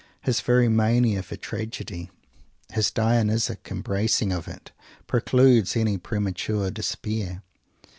His very mania for tragedy, his Dionysic embracing of it, precludes any premature despair.